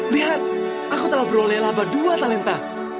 lihat aku telah beroleh laba dua talenta